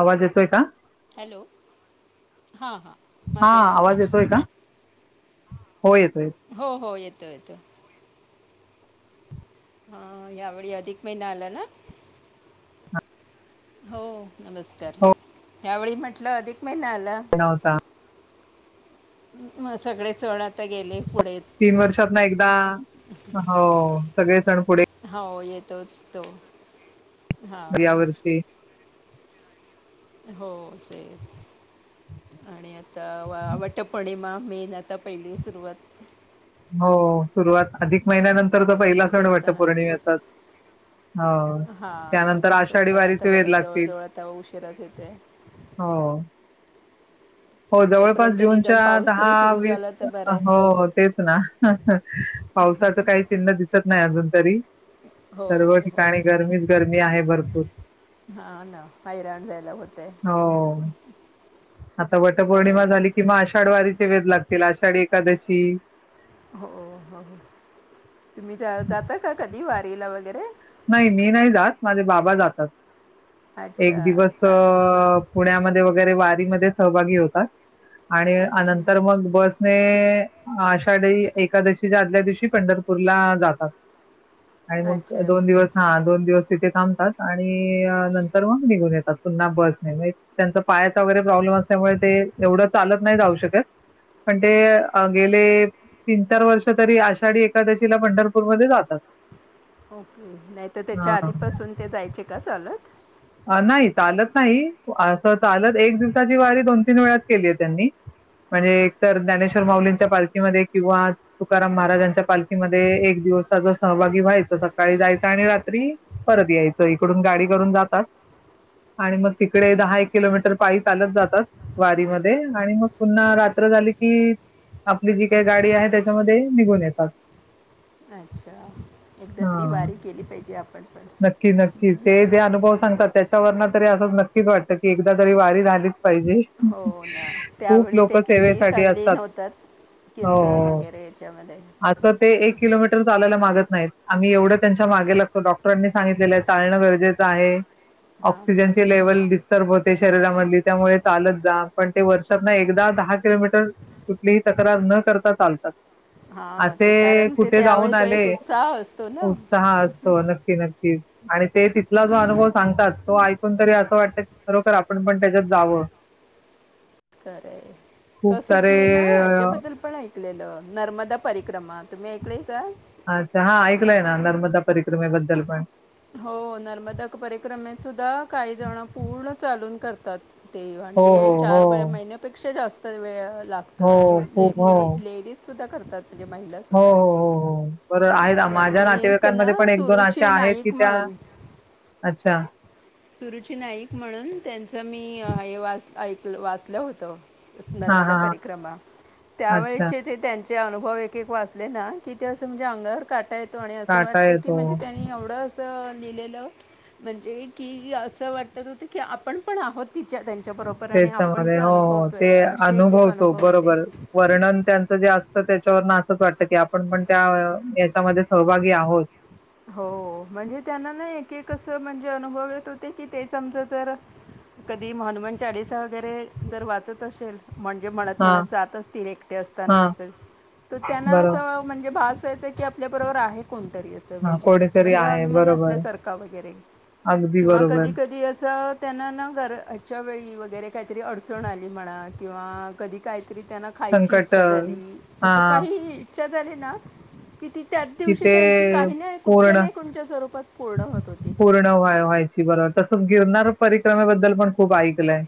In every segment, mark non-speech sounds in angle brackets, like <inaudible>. आवाज येतोय का हॅलो हां हां हा माझा येतो ना आवाज येतोय का हो येतोय येतो हो हो येतो येतो हा यावेळी अधिक महिना आला ना हो नमस्कार हो यावेळी म्हटलं अधिक महिना आला न होता मग सगळे सण आता गेले पुढे तीन वर्षात ना एकदा हो सगळे सण पुढे हो येतोच तो हां या वर्षी हो सच आणि आता वटपौर्णिमा मेन आता पहिली सुरुवात हो सुरुवात अधिक महिन्यानंतरचा पहिला सण ते वाटत पण आपण- पौर्णिमेचाच हो हां त्यानंतर तो आषाढी पण आता वारीचे वेध बरं लागतील जवळजवळ आता उशिराच येतो आहे हो हो जवळपास तोपर्यंत निदान जूनच्या पाऊस दहा तरी सुरू वीस झाला तर बरं आहे हो तेच ना पावसाचं काही चिन्ह दिसत नाही अजून तरी हो सर्व हो हो ठिकाणी गरमी गरमी आहे भरपूर हा ना हैराणलेला होतेे हो आता वटपौर्णिमा झाली किंवा आषाढ वारीचे वेध लागतील आषाढ एकादशी हो हो हो तुम्ही जा जाता का कधी वारीला वगैरे नाही मी नाही जात माझे बाबा जातात एक अच्छा दिवस चांगलं पुण्यामध्ये वगैरे वारीमध्ये सहभागी होतात अच्छा आणिनंतर मग बस आषाढी एकादशीच्या आदल्या दिवशी पंढरपूरला जातात आणि मग अच्छा ओके दिवस हा दोन दिवस तिथे थांबतात आणि नंतर मग निघून येतात पुन्हा बस नाही त्यांचा पायाचा वगैरे प्रॉब्लेम असल्यामुळे ते एवढं चालत नाही जाऊ शकत पण ते गेले तीन चार वर्ष तरी आषाढी एकादशीला पंढरपूरमध्येध्ये जातात ओके नाही तर त्याच्या हां. आधीपासून ते जायचे का चालत नाही चालत नाही असं चालत एक दिवसाची वारी दोन तीन वेळाच केली आहे त्यांनी म्हणजे एक तरर ज्ञानेश्वर माउलींच्या पालखीमध्ये किंवा तुकाराम महाराजांच्या पालखीमध्ये एक दिवसा जो सहभागी व्हायच सकाळी जायचं आणि रात्री परत यायचं इकडून गाडी करून जातात. आणि मग तिकडे दहा एक किलोमीटर पायी चालत जातात. वारीमध्ये आणि मग पुन्हा रात्र झाली की आपली जी काही गाडी आहे त्याच्यामध्ये निघून येतात अच्छा एकदा हा तरी वारी केली पाहिजे आपण पण नक्की नक्की ते अनुभव सांगतात त्याच्यावर तरी असंच नक्कीच वाटतं की एकदा तरी वारी झालीच पाहिजे हो ना खूप त्यावेळी लोक ते किती सेवेसाठी असतात तल्लीन होतात कीर्तन हो वगैरे याच्यामध्ये. असं ते एक किलोमीटर चालायला मागत नाहीत. आम्ही एवढं त्यांच्या मागे लागतो डॉटर. डॉक्टरांनी सांगितलेलं आहे चालणं गरजेचं आहे. हां ऑक्सिजन लेवल दिस र्पते शरीरामधली त्यामुळे चालत जा. पण ते वर्षात ना एकदा दहा किलोमीटर कुठलीही तक्रार न करता चालतात. हां असे ते कारण ते कुठे त्यावेळी जाऊन तो आले एक उत्साह असतो ना उत्साह असतो. नक्की नक्कीच. आणि ते तिथला जो अनुभव सांगतात तो ऐकून तरी असं वाटतं. बरोखर आपण पण त्याच्यात जावं. खरे खूप तसच सारे मी ना अ, हच्याबद्दल पण ऐकलेलं नर्मदा परिक्रमा. तुम्ही ऐकलय का? अच्छा हा ऐकलंय ना. नर्मदा परिक्रमेबद्दल पण. हो नर्मदा परिक्रमे सुद्धा काही जण पूर्ण चालून करतात. ते हो, म्हणजे हो, चार हो. महिन्यापेक्षा जास्त वेळ लागतो हो, आणि खूप हो. मुली लेडीज सुद्धा करतात म्हणजे हो, महिलासुद्धा. हो, हो, हो. बरोबर आहे माझ्या एक ना नातेवाईकांमध्ये पण एक दोन अशे सुरुची आहेत की नाईक त्या, म्हणून अच्छा. सुरुची नाईक म्हणून त्यांच मी हे वाच ऐक वाचलं होतं. हां, नर्मदा हां, हां. परिक्रमा अच्छा. त्यावेळेचे जे त्यां चे अनुभव एक एक वाचले ना. की ते असं म्हणजे अंगावर काटायेत वाट आणि असं काटा वाटतं की येतो. म्हणजे त्यानी एवढं असं लिहिलेलं म्हणजे की असं वाटत होते की, आपण पण आहोत तिच्या त्यांच्याबरोबर. आणि आपण त्याच्यामध्ये ते हो हो ते अनुभवतोय असे एक एक अनुभवतो अनुभव होते बरोबर. वर्णन त्यांचं जे असतं त्याच्यावर असंच वाटत की, आपण पण त्या याच्यामध्ये सहभागी आहोत. हो म्हणजे त्यांना ना एक एक असं म्हणजे अनुभव येत होते की तेच आमच ज कधी हनुमान चालीसा वगैरे जर वाचत असेल. म्हणजे म्हणत हां, म्हणत जात असतील एकटे असताना हां. असे तर त्यांना अस बरोबर. म्हणजे भास व्हायचा की, आपल्याबरोबर आहे कोणतरी अस. हां, म्हणजे कोणीतरी म्हणजे आहे. अनुमान बरोबर. असल्यासारखा वगैरे अगदी किंवा बरोबर. कधी कधी अस त्यांना ना घरा ह्याच्या वेळी वगैरे काहीतरी अडचण आली म्हणा किंवा कधी काहीतरी त्यांना खायची संकट अ, इच्छा झाली असं हां, काहीही इच्छा झाली ना की, ती त्याच की दिवशी ते त्यांची काही नाही कुठच्या पूर्ण नाही कुठच्या स्वरूपात पूर्ण होत होती. पूर्ण व्हा व्हायची बरोबर. तसंच गिरणार परिक्रमेबद्दल पण खूप ऐकलंय.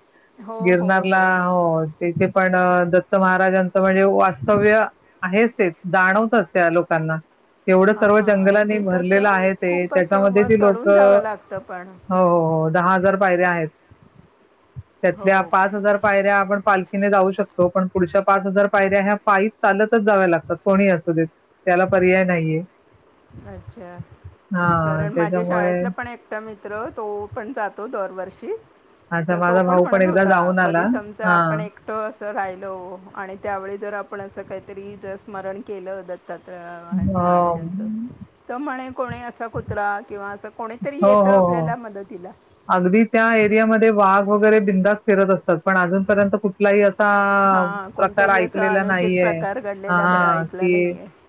हो हो गिरनारला हो तेथे पण दत्त महाराजांचं म्हणजे वास्तव्य आहेच ते जाणवतच त्या लोकांना एवढं सर्व हां आणि जंगलांनी ते भरलेलं कसं आहे ते. खूप त्याच्यामध्ये वर ती चढून जावं लोकं लागतं पण. हो हो दहा हजार पायऱ्या आहेत. त्यातल्या हो पाच हजार पायऱ्या आपण पालखीने जाऊ शकतो. पण पुढच्या पाच हजार पायऱ्या ह्या पाई चालतच जाव्या लागतात कोणी असू दे. त्याला पर्याय नाहीये. अच्छा. हां, कारण माझ्या त्याच्यामुळे शाळेतलं पण एक मित्र तो पण जातो दरवर्षी अच्छा तर तो माझा पण भाऊ म्हणत एकदा होता जाऊन आला. कधी समजा आपण हां. एक असं राहिल आणि त्यावेळी जर आपण असं काहीतरी जर स्मरण केलं ज तत्र अ, महाराजांचं त्यामुळेणे कोणी असा कुत्रा किंवा असं कोणीतरी हो, येतं हो, हो. आपल्याला मदतीला अगदी त्या एरियामध्ये वाघ वगैरे बिंदाास फिरत असतात पण अजूनपर्यंत कुठलाही अस हां प्रकार कोणताही असा ऐकलेला अनुचित नाहीे प्रकार घडलेला ह ब- ऐकला कि नाही आहे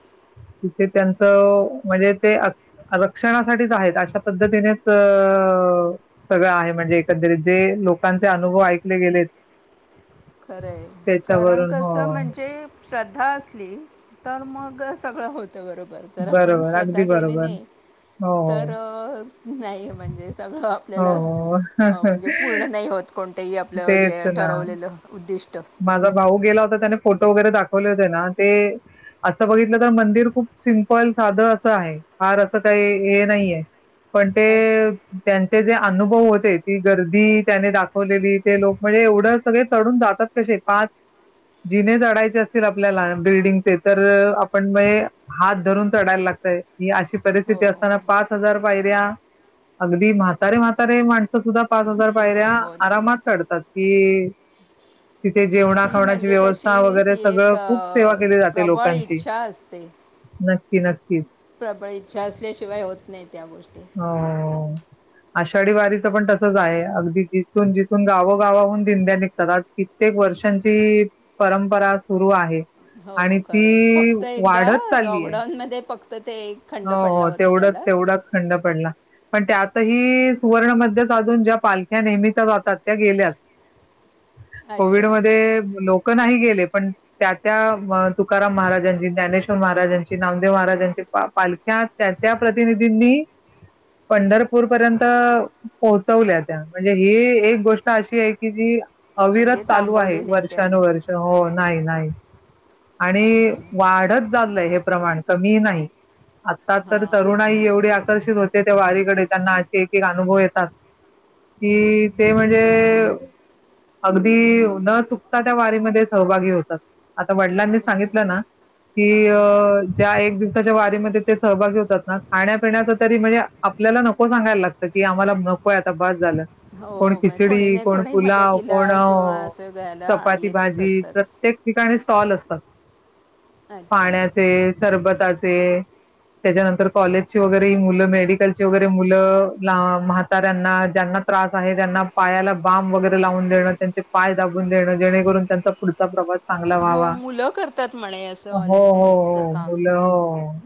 तिथे त्यांचं म्हणजे ते रक्षणासाठीच आहेत अशा पद्धतीनेच अ सगळं आहे म्हणजे एकंदरीत जे लोकांचे अनुभव ऐकले गेले. खर आहे कारण कसं हो. म्हणजे श्रद्धा असली तर मग सगळं होतं बरोबर. जर आपण बरोबर, प्रधा अगदी ठेवली बरोबर. नाही हो, तर हो. नाही म्हणजे सगळं आपल्याला हो, हो. म्हणजे पूर्ण नाही होत कोणतंही आपलं जे तेच ना. ठरवलेलं उद्दिष्ट. माझा भाऊ गेला होता त्याने फोटो वगैरे दाखवले होते ना ते असं बघितलं तर मंदिर खूप सिम्पल साधं असं आहे फार असं काही हे नाहीये पण अच्छा ते त्यांचे जे अनुभव होते ती गर्दी त्याने दाखवलेली ते लोक म्हणजे एवढं सगळे चढून जातात कसे पाच जिने चडायचे असतील आपल्याला बिल्डिंगचे तर आपण म हात धरून चढायला लागतय ही अशी हो परिस्थिती असताना पाच हजार पायऱ्या अगदी म्हातारे म्हातारे माण सुद्धा पाच हजार पायऱ्या हम्म, हो ना आरामात चढतात की. तिथे जेवणा ती खावण्याची म्हणजे व्यवस्था कशी वगैरे ती एक सगळं खूप सेवा अ, केली जाते प्रबळ लोकांची. इच्छा असते नक्की नक्कीच. प्रबळ इच्छा असल्याशिवाय होत नाही त्या गोष्टी. हो आषाढी वारीचं पण तसंच आहे अगदी जिथून-जिथून गावागावाहून दिधंड्या निघतात आज कित्येक वर्षांची परंपरा सुरु आहे. हो आणि खरच ती फक्त एकदा वाढत चालली आहे लॉकडाऊन मध्ये फक्त ते एक खंड हो पडला हो, होता त्याला तेवढाच-तेवढाच थंड पडला. पण त्यातही सुवर्ण मध्य साधून ज्या पालख्या नेहमीच्या जातात त्या गेल्या. <inaudible> कोविड अच्छा मध्ये लोक नाही गेले पण त्या त्या तुकाराम महाराजांची, ज्ञानेश्वर महाराजांची, नामदेव महाराजांची पालख्या त्याच्या प्रतिनिधींनी पंढरपूर पर्यंत पोहोचवल्या त्या म्हणजे ही एक गोष्ट अशी आहे की जी अविरत म्हणजे चालू आहे थांबवली नाही त्यांनी वर्षानुवर्ष हो नाही-नाही, आणि अच्छा वाढत झालंय हे प्रमाण कमी नाही. आत्ता तर हां तरुणाही एवढी आकर्षित होते त्या वारीकडे त्यांना असे एक-एक अनुभव येतात. कि ते म्हणजे अगदी न चुकता त्या वारीमध्ये सहभागी होतात. आता वडिलांनी अच्छा सांगितलं ना की ज्या एक दिवसा वारी मध्ये ते सहभागी होतात खाण्या पण्या तरी म्हणजे आपल्याला नको सांगायला लागतं. कि आम्हाला नकोय आता बास झालं. कोण हो म्हणजे कोणी खिचडी, नाही कोण कोणी पुलाव, मदतीला कोण किंवा असं घ्यायला चपाती, येतच भाजी तर असतात प्रत्येक ठिकाणी स्टॉल असतात अच्छा पाण्याचे, सरबताचे. त्याच्यानंतर कॉलेजची वगैरे ही मुलं, मेडिकलची वगैरे मुलं म्हाताऱ्यांना ज्यांना त्रास आहे त्यांना पायाला बांब वगैरे लावून देणं, त्यांचे पाय दाबून देणं जेणेकरून त्यांचा पुढचा प्रवास. चांगला हो व्हावा. मुलं करतात म्हणे अस हो, हो, व्हॉलेंटिअरिंगच हो काम. मुलं हो.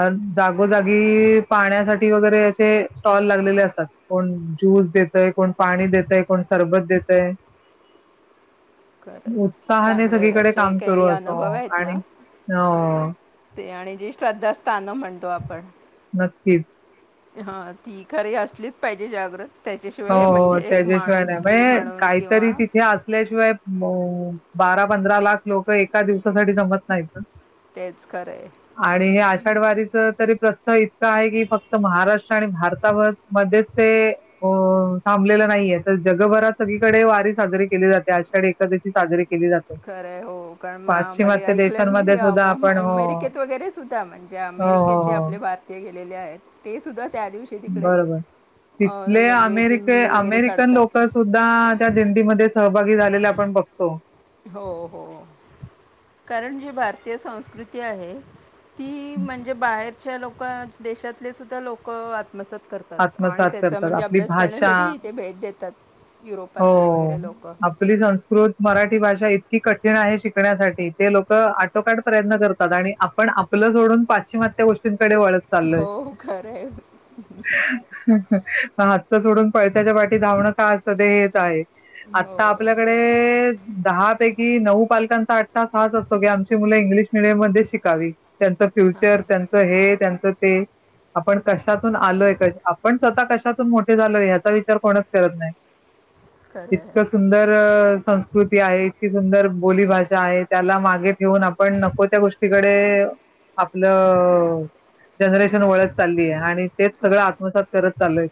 अ जागोजागी पाहण्यासाठी वगैरे असे स्टॉल लागलेले असतात. कोण ज्यूस देतय, कोण पाणी देतय, कोण सरबत देतय. <inaudible> खरंच उत्साहाने चांगले सगळीकडे असे काम सुरू काही असतं अनुभव हो आहेत ना. आणि हो ते आणि जे श्रद्धास्थान म्हणतो आपण. नक्कीच. हा ती खरे असलीच पाहिजे जागृत. त्याच्याशिवाय हो म्हणजे त्याच्याशिवाय माणूस नाही की म्हणजे म्हणून किंवा काहीतरी तिथे असल्याशिवाय म, बारा-पंधरा लाख लोक एका दिवसासाठी जमत नाहीत ना. तेच खरं आहे आणि हे आषाढवारीच तरी प्रस्ताव असं आहे की फक्त महाराष्ट्र आणि भारता मध्येच ते अ, <inaudible> थांबलेलं नाहीे तर जगभरात सगळीकडे वारी साजरी केली जाते आषाढी, एकादशी साजरी केली जाते. खरं हो कारण मग बघे पाश्चिमात्य ऐकलंय मी देशांमध्ये सुद्धा आपण हो, अमेरिकेत वगैरे सुद्धा म्हणजे हो, अमेरिकेत हो, जे हो. आपले भारतीय गेलेले आहेत ते सुद्धा त्या दिवशी तिकडे बरोबर अं, तिथले म्हणजे अमेरिके दिंडी वगैरे अमेरिकन लोक काढतात सुद्धा त्या दिंडीमध्ये सहभागी झालेल्या आपण बघतो. हो हो, कारण जी भारतीय संस्कृती आहे ती म्हणजे बाहेरच्या लोक, देशातले सुद्धा लोक त्मसात करतात आणि आत्मसात त्याचा करतात. म्हणजे आपली अभ्यास भाषा करण्यासाठी ते भेट देतात. युरोपातले हो. वगैरे लोक आपली संस्कृत मराठी भाषा इतकी कठीण आहे शिकण्यासाठी ते लोकं आटोकाट प्रयत्न करतात आणि आप पण आपलं सोडून पाश्चिमात्य गोष्टींकडे वळत चाललोय. हो खरं आहे ह ह हातचं सोडून पळत्याच्या पाटी धावणं काय असतं ते हेच आहे. हो आता बरोबर आहे आपल्याकडे दहा पैकी नऊ पालकांचा अठ्ठाहास हाच असतो की आमची मुलं इंग्लिश मिडियम मध्ये शिकावी. त्यांचं हां फ्युचर त्यांचं हे त्यांचं ते. आपण कशातून आलोय क आपण स्वतः कशातून मोठे झालोय ह्याचा विचार कोणच करत नाही. खरं आहे इतकं सुंदर संस् संकृती आहे इतकी सुंदर बोली भााषा आहे त्याला मागे ठेवून आपण नको त्या गोष्टीकडे आपलं जनरेशन वळत चालली आहे. आणि तेच सगळं आत्मसात करत चाललोय.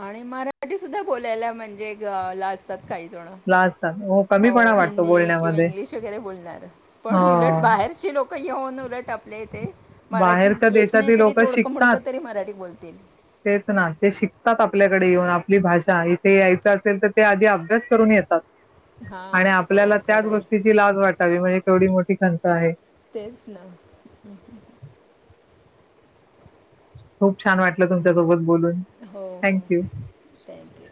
आणि मराठी सुद्धा बोलायला म्हणजे लाजतात काही जण. लाजतात ओ हो हिंदी किंवा इंग्लिश वगैरे बोलणारं पण उलट हं, बाहेरचे लोक कंयेऊन उलट आपल्या इथे मराठी बाहेरच्या येत नाही देशातील तरी लोकं तोडकं शिकतात. मोडकं तरी मराठी बोलतील. तेच ना ते शिकतात आपल्याकडे येऊन आपली भाषा इथे यायचं असेल तर ते आधी अभ्यास करून येतात. हां आणि हो आपल्याला खरं त्याच आहे गोष्टीची लाज वाटावी म्हणजे केवढी मोठी खंत आहे. तेच ना. खूप छान वाटलं तुमच्यासोबत बोलून. हो हो थँक यू. थँक्यू.